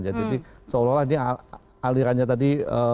jadi seolah olah ini alirannya tadi